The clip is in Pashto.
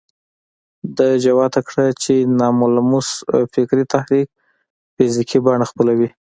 ده جوته کړه چې ناملموس فکري تحرک فزيکي بڼه خپلوي.